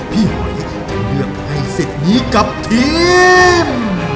พี่หอยจะเลือกให้เสร็จนี้กับทีม